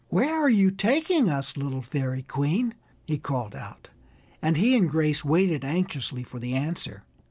Where are you taking us, little Fairy Queen?" he called out, and he and Grace waited anxiously for the answer.